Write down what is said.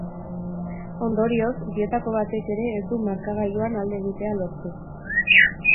Ondorioz, bietako batek ere ez du markagailuan alde egitea lortu.